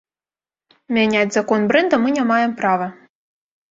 Мяняць закон брэнда мы не маем права.